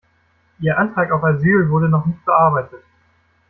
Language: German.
Ihr Antrag auf Asyl wurde noch nicht bearbeitet.